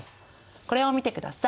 これを見てください！